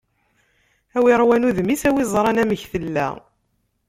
A w'iṛwan udem-is, a w'iẓran amek tella!